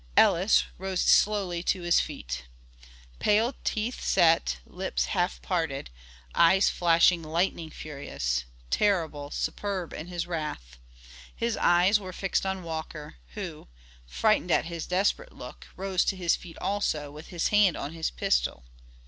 Ellis rose slowly to his fee. Pale, teeth set, lips half parted, eyes flashing lightning–furious, terrible, superb in his wrath. His eyes were fixed on Walker, who, frightened at his desperate look, rose to his feet also, with his hand on his pistol.